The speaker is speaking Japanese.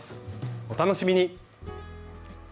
お楽しみに。